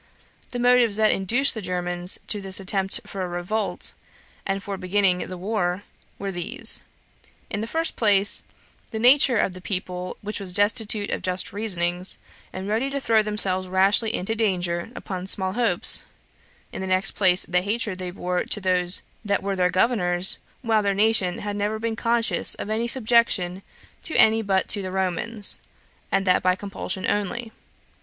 The motives that induced the Germans to this attempt for a revolt, and for beginning the war, were these: In the first place, the nature [of the people], which was destitute of just reasonings, and ready to throw themselves rashly into danger, upon small hopes; in the next place, the hatred they bore to those that were their governors, while their nation had never been conscious of subjection to any but to the Romans, and that by compulsion only.